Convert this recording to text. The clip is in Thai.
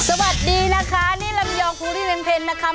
สวัสดีนะคะนี่ลำยองภูริเพ็ญนะคะ